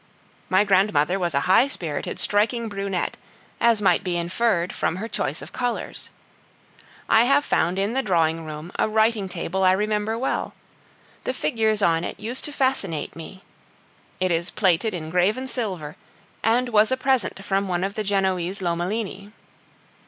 My grandmother was a high spirited, striking brunette, as might be inferred from her choice of colors. I have found in the drawing room a writing table I remember well; the figures on it used to fascinate me; it is plaited in graven silver, and was a present from one of the Genoese Lomellini.